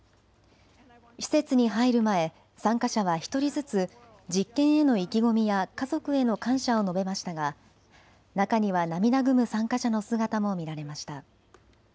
施設に入る前、参加者は１人ずつ実験への意気込みや家族への感謝を述べましたが中には涙ぐむ参加者の姿も見られました。